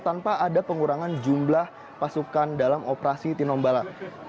tanpa ada pengurangan jumlah pasukan dalam operasi tinombala